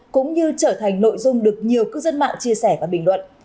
cũng như trở thành nội dung được nhiều cư dân mạng chia sẻ và bình luận